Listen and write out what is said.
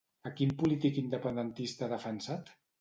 A quin polític independentista ha defensat?